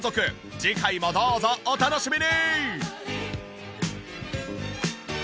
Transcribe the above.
次回もどうぞお楽しみに！